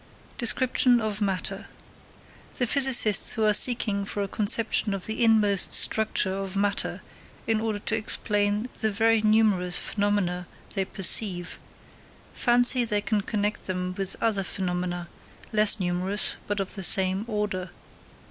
Description of Matter. The physicists who are seeking for a conception of the Inmost structure of matter in order to explain the very numerous phenomena they perceive, fancy they can connect them with other phenomena, less numerous, but of the same order.